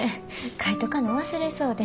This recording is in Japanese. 描いとかな忘れそうで。